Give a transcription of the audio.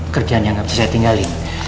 kerjaan yang gak bisa saya tinggalin